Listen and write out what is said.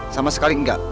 sama sekali enggak